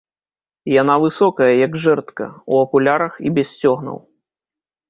Яна высокая, як жэрдка, у акулярах і без сцёгнаў.